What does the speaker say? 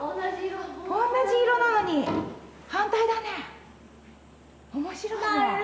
おんなじ色なのに反対だねえ。